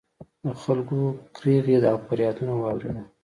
د خلکو کریغې او فریادونه واورېدل